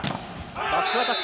バックアタック。